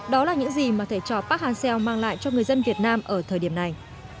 đó là những gì mà thầy trò park hang seo mang lại cho người dân việt nam ở thời điểm này